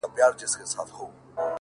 • زما كيسه به ښايي نه وي د منلو,